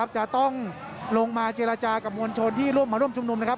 จะต้องลงมาเจรจากับมวลชนที่ร่วมมาร่วมชุมนุมนะครับ